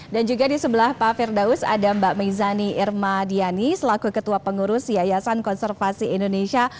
dan juga di sebelah pak firdaus ada mbak meizani irma diani selaku ketua pengurus yayasan konservasi indonesia